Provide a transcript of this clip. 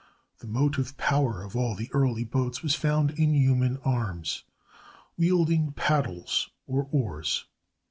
The motive power of all the early boats was found in human arms, wielding paddles or oars.